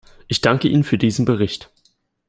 Ich danke Ihnen für diesen Bericht.